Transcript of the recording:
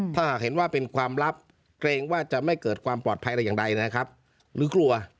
ถ้าหากเห็นว่าเป็นความลับเกรงว่าจะไม่เกิดความปลอดภัยอะไรอย่างใดนะครับหรือกลัว